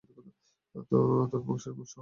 তোর বংশ নির্বংশ হয়ে যাবে।